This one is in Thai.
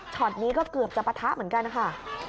นี้ก็เกือบจะปะทะเหมือนกันนะคะ